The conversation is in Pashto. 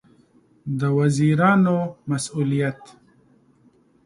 د وزیرانو مسوولیت